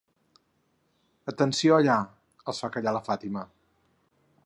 Atenció, allà —els fa callar la Fàtima—.